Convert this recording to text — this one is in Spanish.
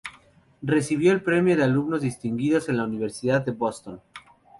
Recibió el Premio de Alumnos Distinguidos de la Universidad de Boston.